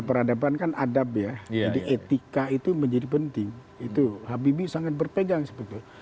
peradaban kan adab ya jadi etika itu menjadi penting itu habibie sangat berpegang sebetulnya